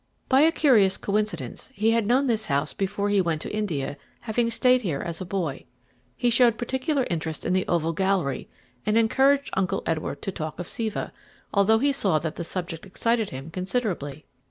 By a curious coincidence, he had known this house before he went to India, having stayed here as a boy. He showed particular interest in the oval gallery, and encouraged Uncle Edward to talk of Siva, although he saw that the subject excited him considerably.